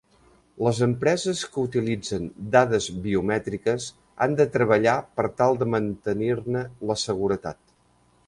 Les empreses que utilitzen dades biomètriques han de treballar per tal de mantenir-ne la seguretat.